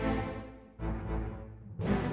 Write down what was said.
bella sekarang kamu jelasin sama kita